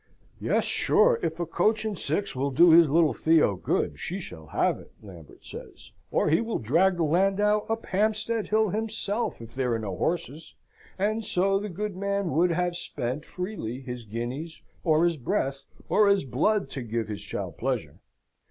"Yes, sure, if a coach and six will do his little Theo good, she shall have it," Lambert says, "or he will drag the landau up Hampstead Hill himself, if there are no horses;" and so the good man would have spent, freely, his guineas, or his breath, or his blood, to give his child pleasure.